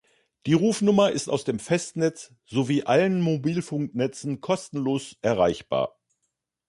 Die Rufnummer ist aus dem Festnetz sowie allen Mobilfunknetzen kostenlos erreichbar.